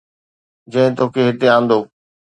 جنهن توکي هتي آندو